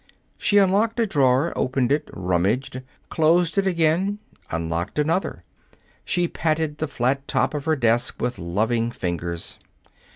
She unlocked a drawer, opened it, rummaged, closed it again, unlocked another. She patted the flat top of her desk with loving fingers.